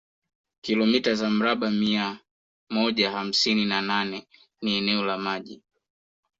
Kilomita za mraba mia moja hamsini na nane ni eneo la maji